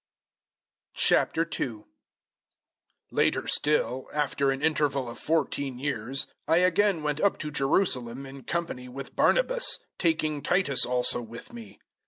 002:001 Later still, after an interval of fourteen years, I again went up to Jerusalem in company with Barnabas, taking Titus also with me.